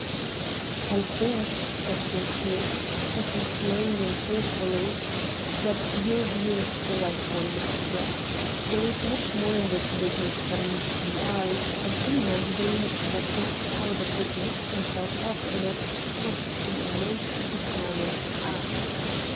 "I think," said Gaultier, speaking slowly and thoughtfully, "that your view is the right one, Mr. Brett. There is much more in this business than meets the eye, and any man who believes that Jack Talbot would mix himself up in it must be a most determined ass.